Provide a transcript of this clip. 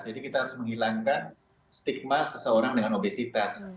jadi kita harus menghilangkan stigma seseorang dengan obesitas